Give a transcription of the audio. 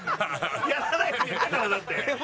やらないって言ったからだって。